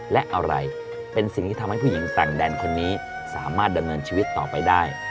และอะไรเป็นสิ่งที่ทำให้ผู้หญิงต่างแดนคนนี้สามารถดำเนินชีวิตต่อไปได้